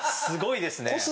すごいですね。